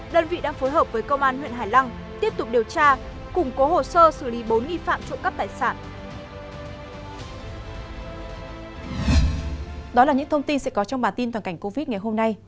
đó là những thông tin sẽ có trong bản tin toàn cảnh covid ngày hôm nay